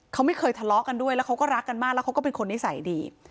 เขาไม่เคยทะเลาะกันด้วยแล้วเขาก็รักกันมากแล้วเขาก็เป็นคนนิสัยดี